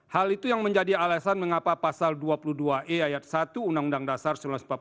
hal itu yang menjadi alasan mengapa pasal dua puluh dua e ayat satu undang undang dasar seribu sembilan ratus empat puluh lima